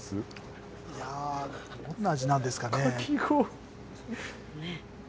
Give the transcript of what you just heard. どんな味なんですかね。